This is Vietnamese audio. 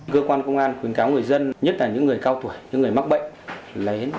cơ quan công an khuyến cáo người dân nhất là những người cao tuổi những người mắc bệnh